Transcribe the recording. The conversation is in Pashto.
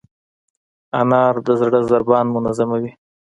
انار د زړه ضربان منظموي.